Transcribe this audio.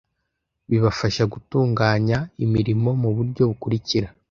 bibafasha gutunganya imirimo mu buryo bukurikira